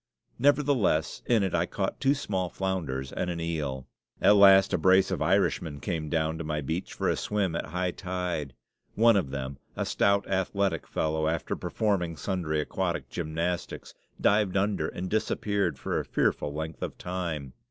Nevertheless, in it I caught two small flounders and an eel. At last a brace of Irishmen came down to my beach for a swim at high tide. One of them, a stout, athletic fellow, after performing sundry aquatic gymnastics, dived under and disappeared for a fearful length of time.